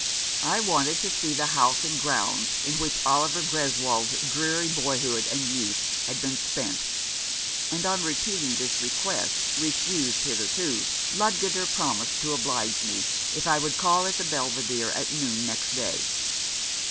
I wanted to see the house and grounds in which 269 Rough Justice. Oliver Greswold's dreary boyhood and youth had been spent, and on repeating this request, refused hitherto, Ludgater promised to oblige me, if I would call at the Belvidere at noon next day.